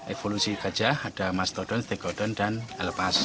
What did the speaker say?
evolusi gajah ada mastodon tegodon dan elpas